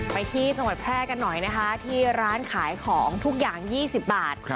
ไปที่จังหวัดแพร่กันหน่อยนะคะที่ร้านขายของทุกอย่าง๒๐บาท